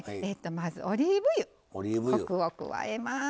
まずオリーブ油コクを加えます。